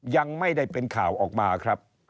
ยังไม่ได้เป็นข่าวออกมาครับ